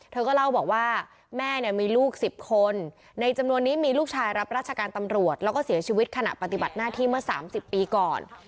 เธอก็เล่าบอกว่าแม่เนี่ยมีลูก๑๐คนในจำนวนนี้มีลูกชายรับราชการตำรวจแล้วก็เสียชีวิตขณะปฏิบัติหน้าที่เมื่อ๓๐ปีก่อน